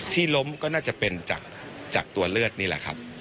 ที่ล้มก็น่าจะเป็นจากตัวเลือดนี่แหละครับ